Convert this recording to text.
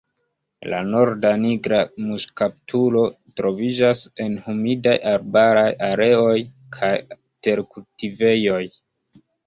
La Norda nigra muŝkaptulo troviĝas en humidaj arbaraj areoj kaj terkultivejoj.